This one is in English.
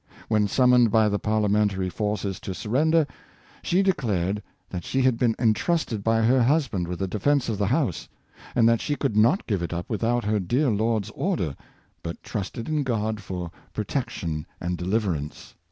When summoned by the Parliamentary forces to surrender, she declared that she had been entrusted by her hus band with the defence of the house, and that she could not give it up without her dear lord's order, but trusted in God for protection and deliverance.